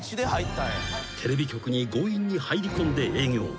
［テレビ局に強引に入りこんで営業。